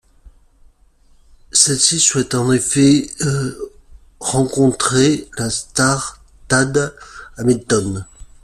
Celle-ci souhaite en effet rencontrer la star Tad Hamilton.